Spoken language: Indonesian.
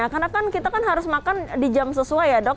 karena kan kita harus makan di jam sesuai ya dok